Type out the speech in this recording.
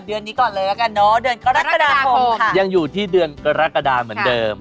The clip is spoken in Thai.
เดือนกระกะดามคมค่ะยังอยู่ที่เดือนกระกะดามเหมือนเดิม